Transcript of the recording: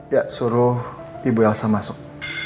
ya suruh ibu elsa masuk